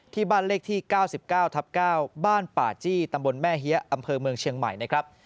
ที่บ้านเลขที่๙๙ทับ๙บ้านป่าจี้ตำบลแม่เฮียอำเภอเมืองเชียงใหม่นะครับ